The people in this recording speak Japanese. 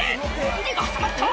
指が挟まった！」